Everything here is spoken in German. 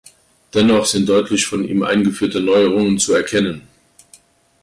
Dennoch sind deutlich von ihm eingeführte Neuerungen zu erkennen.